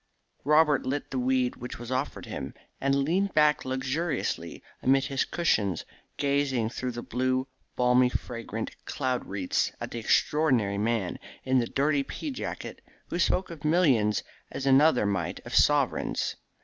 Robert lit the weed which was offered to him, and leaned back luxuriously amid his cushions, gazing through the blue balmy fragrant cloud wreaths at the extraordinary man in the dirty pea jacket who spoke of millions as another might of sovereigns.